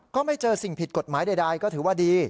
ก็ไม่เจอสิ่งผิดกฎหมายใดก็ถือว่าดี